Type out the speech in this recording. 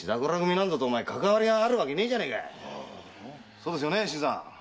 そうですよね新さん？